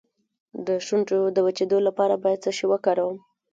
د شونډو د وچیدو لپاره باید څه شی وکاروم؟